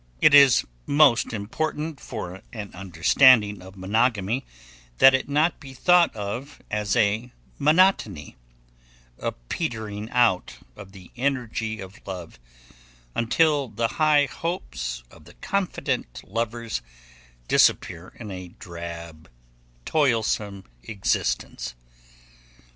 It is most important for an understanding of monogamy that it not be thought of as a monotony, a petering out of the energy of love until the high hopes of the confident lovers disappear in a drab, toilsome existence.